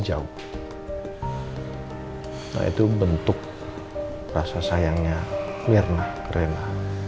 tapi waktu dulu dia udah sakit aja dia tetep menjaga rena